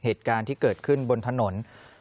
เหตุการณ์ที่เกิดขึ้นบนถนน